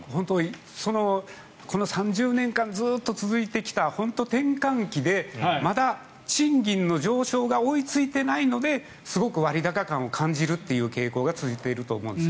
この３０年間ずっと続いてきた本当に転換期でまだ賃金の上昇が追いついていないのですごく割高感を感じるという傾向が続いていると思うんです。